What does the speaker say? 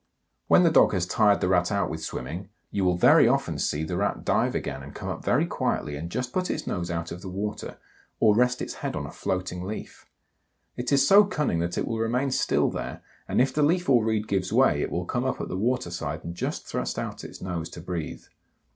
When the dog has tired the Rat out with swimming, you will very often see the Rat dive again and come up very quietly and just put its nose out of the water, or rest its head on a floating leaf. It is so cunning that it will remain still there, and if the leaf or reed gives way it will come up at the water side and just thrust out its nose to breathe.